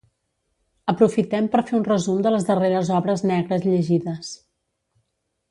Aprofitem per fer un resum de les darreres obres negres llegides.